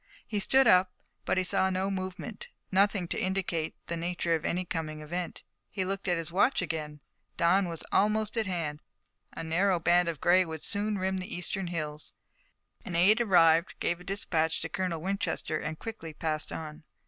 He stood up, but he saw no movement, nothing to indicate the nature of any coming event. He looked at his watch again. Dawn was almost at hand. A narrow band of gray would soon rim the eastern hills. An aide arrived, gave a dispatch to Colonel Winchester, and quickly passed on.